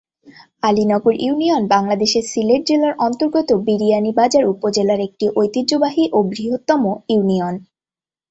Alinagar union বাংলাদেশের সিলেট জেলার অন্তর্গত বিয়ানীবাজার উপজেলার একটি ঐতিহ্যবাহী ও বৃহত্তম ইউনিয়ন।